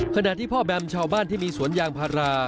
ขณะที่พ่อแบมชาวบ้านที่มีสวนยางพารา